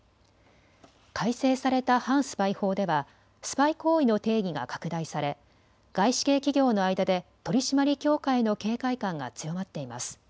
改正された反スパイ法ではスパイ行為の定義が拡大され外資系企業の間で取締り強化への警戒感が強まっています。